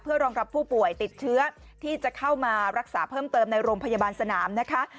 รองรับผู้ป่วยติดเชื้อที่จะเข้ามารักษาเพิ่มเติมในโรงพยาบาลสนามนะคะ